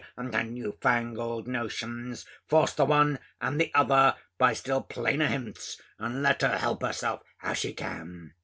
and her new fangled notions, force the one and the other by still plainer hints; and let her help herself how she can.